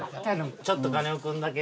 ちょっとカネオくんだけ。